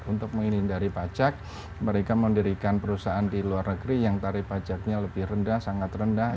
untuk menghindari pajak mereka mendirikan perusahaan di luar negeri yang tarif pajaknya lebih rendah sangat rendah